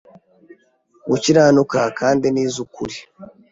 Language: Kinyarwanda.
gukiranuka kandi ni iz ukuri